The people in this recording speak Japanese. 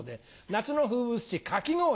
夏の風物詩かき氷